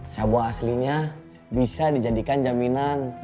sabu aslinya bisa dijadikan jaminan